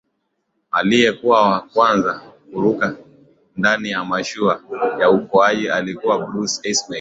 aliyekuwa wa kwanza kuruka ndani ya mashua ya uokoaji alikuwa bruce ismay